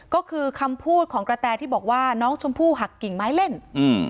ก็คือคำพูดของกระแตที่บอกว่าน้องชมพู่หักกิ่งไม้เล่นอืม